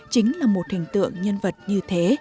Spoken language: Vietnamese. chính là một hình tượng nhân vật như thế